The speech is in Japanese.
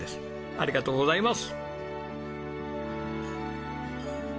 ありがとうございます！